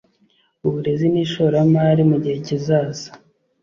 Uburezi nishoramari mugihe kizaza.